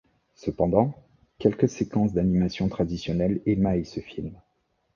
Cependant, quelques séquences d'animation traditionnelle émaillent ce film.